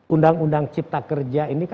undang undang cipta kerja ini